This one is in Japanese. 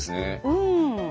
うん。